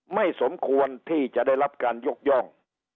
ไม่สมควรที่จะได้รับการยกย่อง